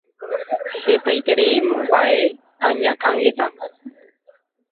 Hetaiterei mba'e añakãngeta